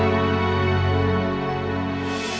cepat sembuh ya nak